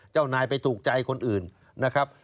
เจ้านายไปถูกใจคนอื่นนะครับ